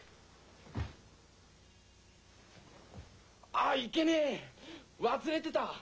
あっいけねえわすれてた！